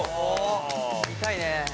見たいねえ。